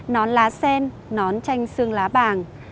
nón lá sen nón chanh xương lá bàng